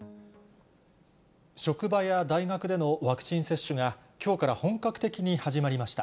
職場や大学でのワクチン接種がきょうから本格的に始まりました。